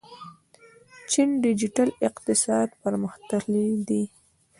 چین ډیجیټل اقتصاد پرمختللی دی.